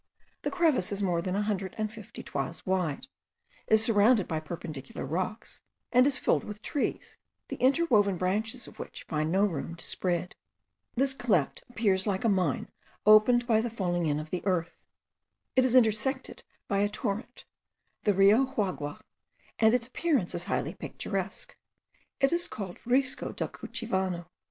The crevice is more than a hundred and fifty toises wide, is surrounded by perpendicular rocks, and is filled with trees, the interwoven branches of which find no room to spread. This cleft appears like a mine opened by the falling in of the earth. It is intersected by a torrent, the Rio Juagua, and its appearance is highly picturesque. It is called Risco del Cuchivano.